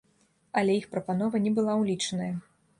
Але іх прапанова не была ўлічаная.